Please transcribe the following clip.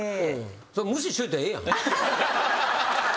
それ無視しといたらええやん。